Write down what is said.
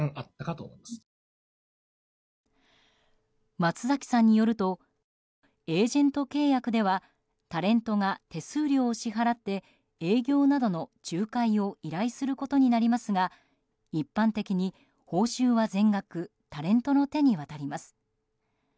松崎さんによるとエージェント契約ではタレントが手数料を支払って営業などの仲介を依頼することになりますが一般的に報酬は全額タレントの手に渡ります。